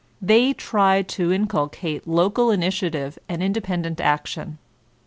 They tried to inculcate local initiative and independent action.